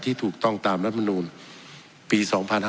ที่ถูกต้องตามรัฐมนุนปี๒๕๖๐